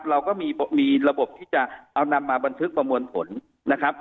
เราก็มีระบบที่จะเอานำมาบันทึกประมวลผลนะครับ